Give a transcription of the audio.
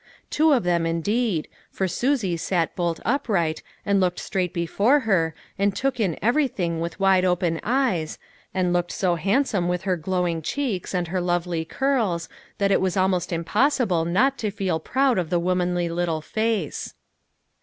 Two of them, indeed, for Susie sat bolt upright and looked straight before her, and took in every. A SABBATH TO REMEMBER. 159 thing with wide open eyes, and looked so hand some with her glowing cheeks and her lovely curls, that it was almost impossible not to feel proud of the womanly little face.